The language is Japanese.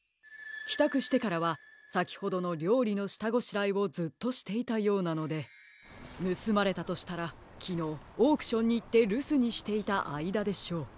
きたくしてからはさきほどのりょうりのしたごしらえをずっとしていたようなのでぬすまれたとしたらきのうオークションにいってるすにしていたあいだでしょう。